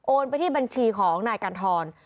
ไปที่บัญชีของนายกันทร